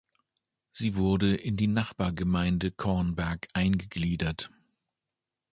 Sie wurde in die Nachbargemeinde Cornberg eingegliedert.